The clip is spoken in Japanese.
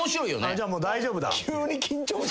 じゃあもう大丈夫だ。